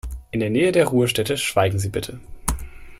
In der Nähe der Ruhestätte schweigen Sie bitte.